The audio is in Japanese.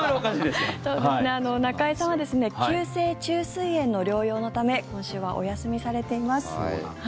中居さんは急性虫垂炎の療養のため今週はお休みされています。